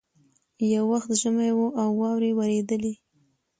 یو وخت ژمی وو او واوري اورېدلې